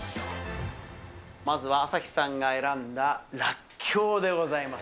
まずは朝日さんが選んだらっきょうでございます。